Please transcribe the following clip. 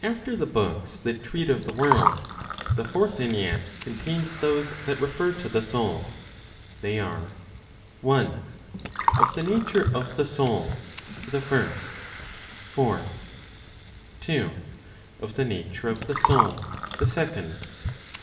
After the books that treat of the world, the Fourth Ennead contains those that refer to the soul. They are: 1. Of the Nature of the Soul, the First, 4. 2. Of the Nature of the Soul, the Second, 21.